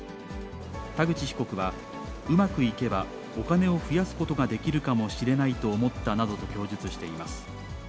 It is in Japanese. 田口被告は、うまくいけばお金をふやすことができるかもしれないと思ったなどと供述しています。